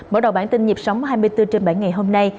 mở đầu bản tin nhịp sống hai mươi bốn trên bảy ngày hôm nay